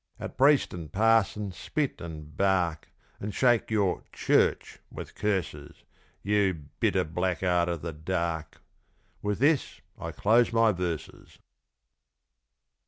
At priest and parson spit and bark, And shake your "church" with curses, You bitter blackguard of the dark With this I close my verses.